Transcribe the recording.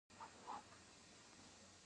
د فراه په لاش او جوین کې د مسو نښې شته.